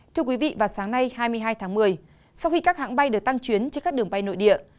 thưa quý vị vào sáng nay hai mươi hai tháng một mươi sau khi các hãng bay được tăng chuyến trên các đường bay nội địa